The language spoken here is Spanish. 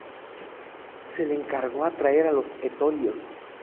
Se le encargó atraer a los etolios.